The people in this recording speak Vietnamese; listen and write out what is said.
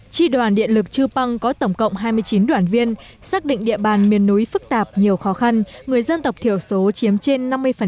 tri đoàn điện lực chư păng có tổng cộng hai mươi chín đoàn viên xác định địa bàn miền núi phức tạp nhiều khó khăn người dân tộc thiểu số chiếm trên năm mươi